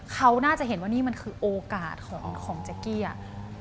เขาน่าจะเห็นว่านี่มันคือโอกาสของเจ๊กกี้อะ